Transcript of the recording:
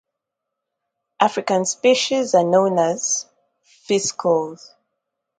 African species are known as fiscals.